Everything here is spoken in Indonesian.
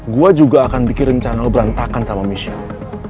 gue juga akan bikin rencana lo berantakan sama michelle